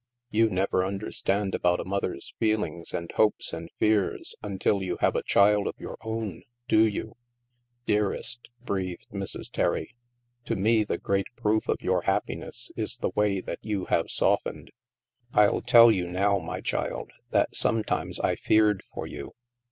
You never understand about a mother's feelings and hopes and fears until you have a child of your own, do you ?" "Dearest," breathed Mrs. Terry, "to me the great proof of your happiness is the way that you have softened. I'll tell you now, my child, that sometimes I feared for you.